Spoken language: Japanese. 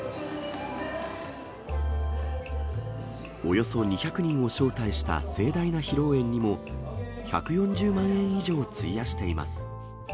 およそ２００人を招待した盛大な披露宴にも、１４０万円以上費やしています。